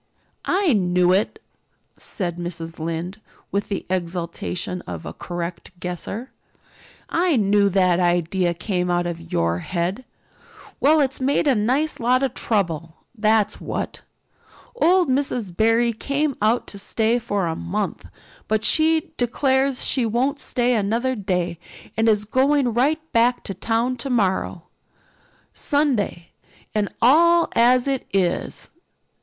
"I knew it!" said Mrs. Lynde, with the exultation of a correct guesser. "I knew that idea came out of your head. Well, it's made a nice lot of trouble, that's what. Old Miss Barry came out to stay for a month, but she declares she won't stay another day and is going right back to town tomorrow, Sunday and all as it is.